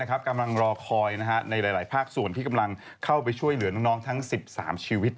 กำลังรอคอยในหลายภาคส่วนที่กำลังเข้าไปช่วยเหลือน้องทั้ง๑๓ชีวิต